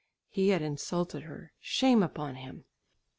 He had insulted her. Shame upon him!